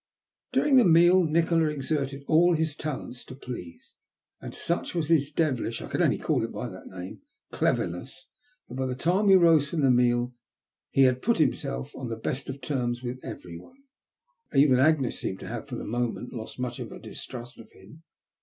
During the meal Nikola exerted all his talents to please. And such was his devilish — I can only call it by that name — cleverness, that by the time we rose from the meal he had put himself on the best of terms with everyone. Even Agnes seemed to have, for the moment, lost much of her distrust of him.